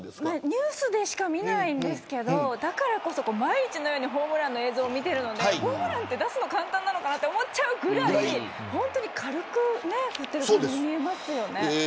ニュースでしか見ないんですけどだからこそ毎日のようにホームランの映像を見ているのでホームランって出すの簡単なのかなと思っちゃうぐらい軽く振っている感じに見えますよね。